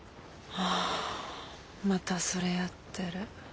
あぁまたそれやってる。